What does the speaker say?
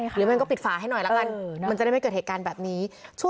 หรือมันก็ปิดฝาให้หน่อยละกันมันจะได้ไม่เกิดเหตุการณ์แบบนี้